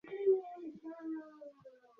তোমাকে সবার সামনে আমাকে গ্রহণ করতে হবে।